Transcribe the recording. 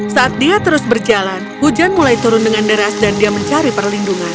saat dia terus berjalan hujan mulai turun dengan deras dan dia mencari perlindungan